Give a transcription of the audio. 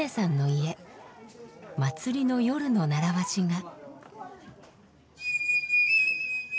祭りの夜の習わしが。